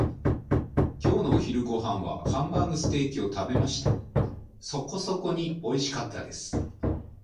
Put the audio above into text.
今日のお昼ご飯はハンバーグステーキを食べました。そこそこにおいしかったです。